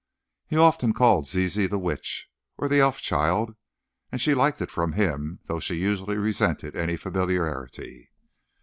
He often called Zizi the Witch, or the Elf child, and she liked it from him, though she usually resented any familiarity.